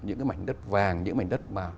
những mảnh đất vàng những mảnh đất mà